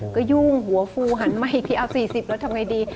ก็ยุ่งหันไม้ครี่เอา๔๐ลดทำยังไงดี